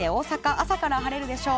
朝から晴れるでしょう。